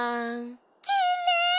きれい！